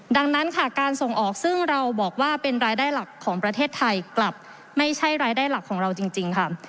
ดังนั้นค่ะการส่งออกซึ่งเราบอกว่าเป็นรายได้หลักของประเทศไทยกลับไม่ใช่รายได้หลักของเราจริงค่ะ